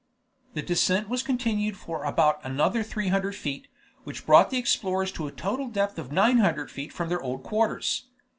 The descent was continued for about another three hundred feet, which brought the explorers to a total depth of nine hundred feet from their old quarters.